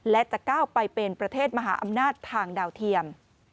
และจะก้าวไปเป็นประเทศมหาอำนาจทางดาวเทียม